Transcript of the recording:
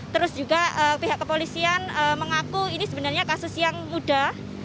terus juga pihak kepolisian mengaku ini sebenarnya kasus yang mudah